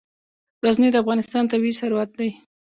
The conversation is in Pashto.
غزني د افغانستان طبعي ثروت دی.